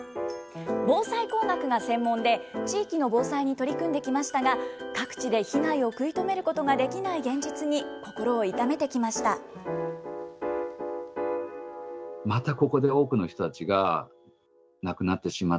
防災工学が専門で、地域の防災に取り組んできましたが、各地で被害を食い止めることができない現実に心を痛めてきました。